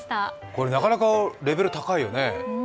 これ、なかなかレベル高いよね。